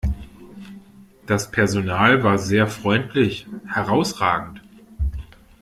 Das Personal war sehr freundlich, herrausragend!